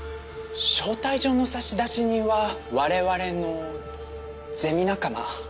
招待状の差出人は我々のゼミ仲間。